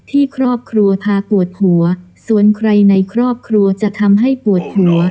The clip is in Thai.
ที่ครอบครัวพาปวดหัวส่วนใครในครอบครัวจะทำให้ปวดหัว